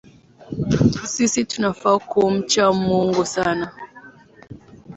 Sisi tunafaa kumcha Mungu sana